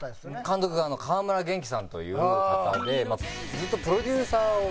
監督が川村元気さんという方でずっとプロデューサーを。